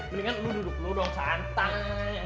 mendingan lo duduk dulu dong santang